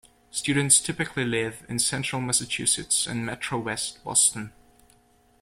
Students typically live in Central Massachusetts and MetroWest Boston.